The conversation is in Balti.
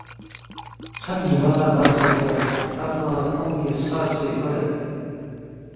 ژھن نیما لنگسے کھورید امّہ کھونی خسنگسے کھورید